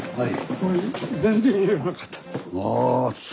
はい！